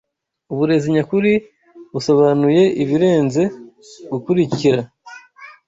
Uburezi nyakuri busobanuye ibirenze gukurikira